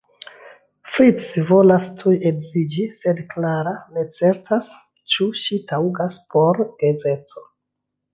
Fritz volas tuj edziĝi sed Clara ne certas, ĉu ŝi taŭgas por geedzeco.